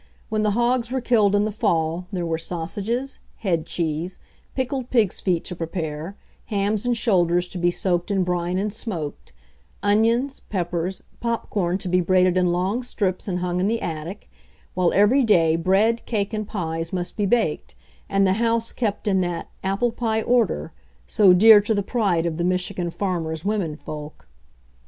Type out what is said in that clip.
When the hogs were killed in the fall there were sausages, head cheese, pickled pigs' feet to prepare, hams and shoulders to be soaked in brine and smoked ; onions, peppers, popcorn to be braided in long strips and hung in the attic; while every day bread, cake and pies must be baked, and the house kept in that "apple pie or der" so dear to the pride of the Michigan farm ers' women folk.